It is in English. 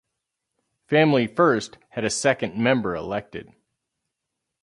Family First had a second member elected.